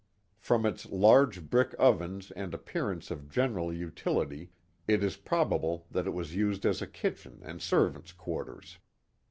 From its large brick ovens and appearance of general utility it is probable that it was used as a kitchen and servants' quarters.